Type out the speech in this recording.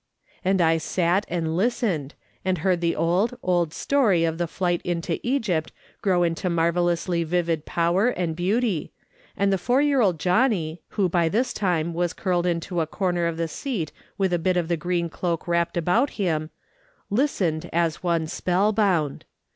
And I sat and listened, and heard tlie old, old story of the flight into Egj'pt grow into marvellously vivid power and beauty, and the four year old Johnny, who by this time was curled into a corner of the seat with a bit of the green cloak wrapped about him, listened as one spell bound.